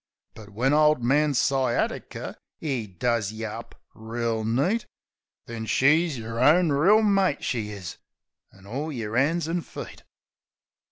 But when Ole Man Sciatiker, 'e does yeh up reel neat, Then she's yer own reel mate, she is, an' all yer 'ands an' feet.